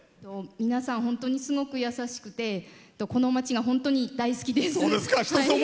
皆さん本当にすごくやさしくてこの町が本当に大好きです。